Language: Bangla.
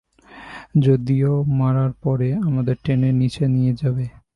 যদি মারাও পড়ে, আমাদের টেনে নিচে নিয়ে যাবে!